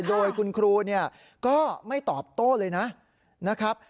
โดยคุณครูก็ไม่ตอบโต้เลยนะ